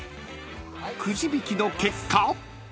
［くじ引きの結果］